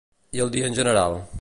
I el dia en general?